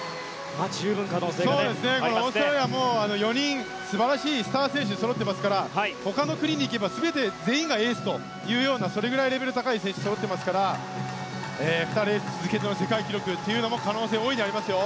オーストラリアも素晴らしい４人のスターがそろっていますのでほかの国に行けば全員がエースというそれぐらいレベルの高い選手がそろっていますから２レース続けての世界記録という展開も大いにありますよ。